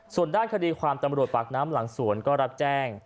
ส่วนด้านคดีความตำรวจปากน้ำหลังสวนก็รับแจ้ง